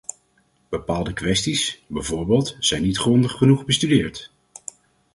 Bepaalde kwesties, bijvoorbeeld, zijn niet grondig genoeg bestudeerd.